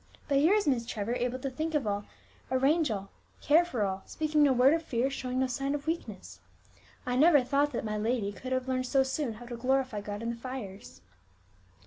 But here is Miss Trevor able to think of all, arrange all, care for all, speaking no word of fear, showing no sign of weakness! I never thought that my lady could have learned so soon how to 'glorify God in the fires!'"